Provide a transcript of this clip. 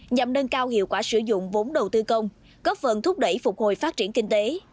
nhằm nâng cao hiệu quả sử dụng vốn đầu tư công góp phần thúc đẩy phục hồi phát triển kinh tế